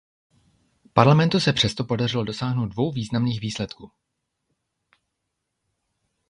Parlamentu se přesto podařilo dosáhnout dvou významných výsledků.